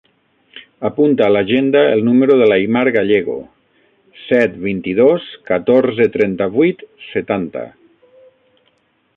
Apunta a l'agenda el número de l'Aimar Gallego: set, vint-i-dos, catorze, trenta-vuit, setanta.